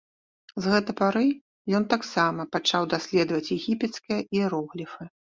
З гэта пары ён таксама пачаў даследаваць егіпецкія іерогліфы.